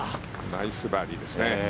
ナイスバーディーですね。